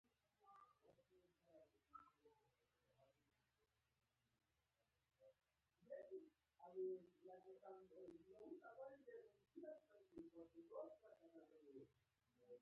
د ستالین ماډل اقتصادي وده ساده او اسانه وه.